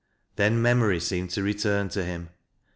Then memory seemed to return to him.